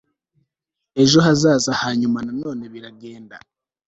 ejo hazaza, hanyuma na none biragenda